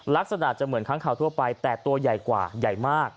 ลักษณะจะเหมือนค้างข่าวทั่วไปแต่ตัวใหญ่กว่าใหญ่มาก